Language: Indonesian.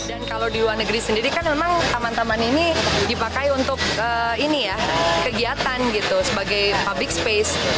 dan kalau di luar negeri sendiri kan memang taman taman ini dipakai untuk kegiatan gitu sebagai public space